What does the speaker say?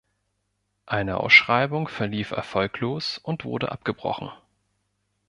Eine Ausschreibung verlief erfolglos und wurde abgebrochen.